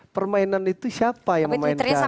permainan itu siapa yang memainkan